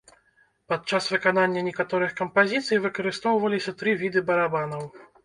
Падчас выканання некаторых кампазіцый выкарыстоўваліся тры віды барабанаў.